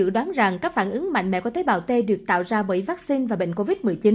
đoán rằng các phản ứng mạnh mẽ của tế bào t được tạo ra bởi vaccine và bệnh covid một mươi chín